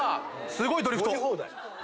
すごいドリフト！